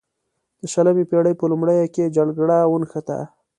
د شلمې پیړۍ په لومړیو کې جګړه ونښته.